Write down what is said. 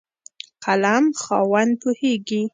قلم خاوند پوهېږي.